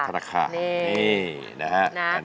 ธนาคารนี่นะฮะ